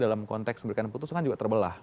dalam konteks memberikan putus kan juga terbelah